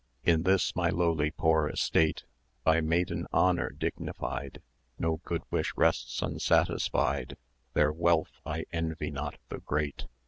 In this my lowly poor estate, By maiden honour dignified, No good wish rests unsatisfied; Their wealth I envy not the great.